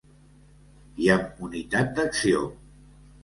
I amb unitat d’acció.